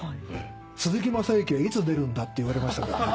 「鈴木雅之はいつ出るんだ？」って言われましたからね。